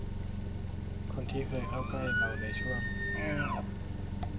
คนที่เคยเข้าใกล้เราในช่วง